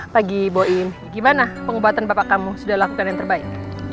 pagi boim gimana pengobatan bapak kamu sudah lakukan yang terbaik